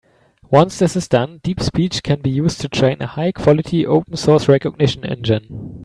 Once this is done, DeepSpeech can be used to train a high-quality open source recognition engine.